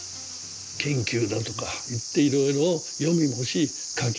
研究だとかいっていろいろ読みもし書き